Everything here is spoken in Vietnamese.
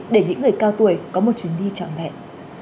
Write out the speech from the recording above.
để những người cao tuổi có một chuyến đi chẳng hẹn